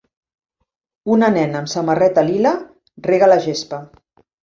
Una nena amb samarreta lila rega la gespa.